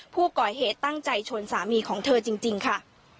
ผู้ก่อเหตุตั้งใจชนสามีของเธอจริงค่ะ